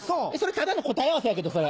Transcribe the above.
ただの答え合わせやけどそれ。